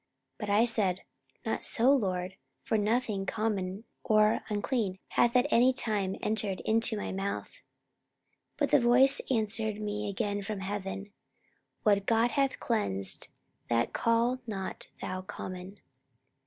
44:011:008 But I said, Not so, Lord: for nothing common or unclean hath at any time entered into my mouth. 44:011:009 But the voice answered me again from heaven, What God hath cleansed, that call not thou common.